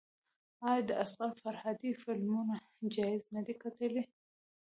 آیا د اصغر فرهادي فلمونه جایزې نه دي ګټلي؟